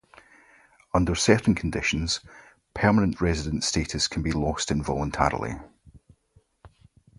Under certain conditions, permanent residence status can be lost involuntarily.